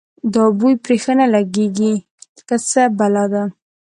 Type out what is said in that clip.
دا بوی پرې ښه نه لګېږي که څه بلا ده.